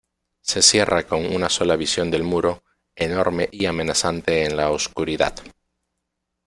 Se cierra con una sola visión del muro, enorme y amenazante en la oscuridad.